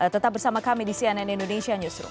tetap bersama kami di cnn indonesia newsroom